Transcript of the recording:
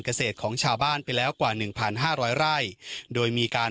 เกษตรของชาวบ้านไปแล้วกว่าหนึ่งพันห้าร้อยไร่โดยมีการ